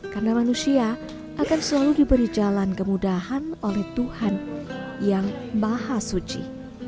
karena manusia akan selalu diberi jalan kemudahan oleh tuhan yang maha suci